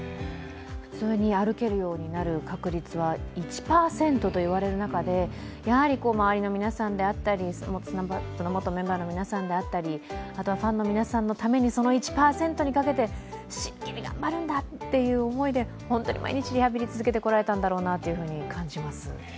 普通に歩けるようになる確率は１％と言われる中でやはり周りの皆さんであったり元メンバーの皆さんであったり、あとはファンの皆さんのためにその１％にかけて真剣に頑張るんだという思いで本当に毎日リハビリを続けてこられたんだろうなと思います。